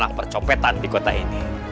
dan percopetan di kota ini